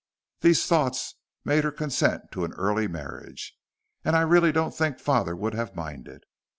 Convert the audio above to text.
These thoughts made her consent to an early marriage. "And I really don't think father would have minded."